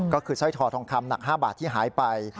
ก็คือสร้อยคอทองคำหนัก๕บาทที่หายไป